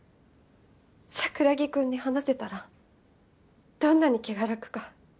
桜木くんに話せたらどんなに気が楽か。